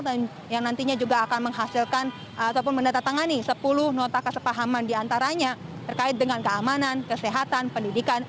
dan yang nantinya juga akan menghasilkan ataupun mendatangani sepuluh nota kesepahaman diantaranya terkait dengan keamanan kesehatan pendidikan